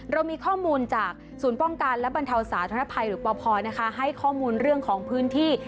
เรามีข้อมูลจากศูนย์ป้องกันและบรรเทาสาธารณภัยหรือปพให้ข้อมูลเรื่องของพื้นที่